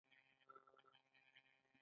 هغوی یوځای د نازک غروب له لارې سفر پیل کړ.